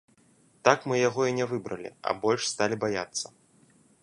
Так мы яго і не выбралі, а больш сталі баяцца.